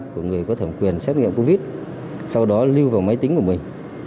của người có thẩm quyền xét nghiệm covid sau đó lưu vào máy tính của mình